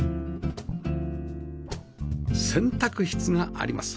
洗濯室があります